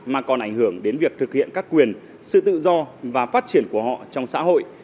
mà còn ảnh hưởng đến việc thực hiện các quyền sự tự do và phát triển của họ trong xã hội